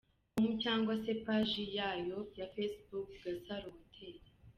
com cyangwa se Paji yayo ya Facebook, Gasaro Hotel.